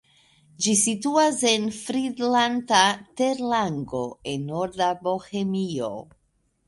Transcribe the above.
Ĝi situas en Fridlanta terlango en norda Bohemio.